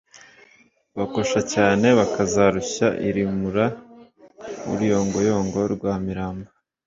Bakosha cyane bakazarushya irimura, Uruyongoyongo rwa Miramba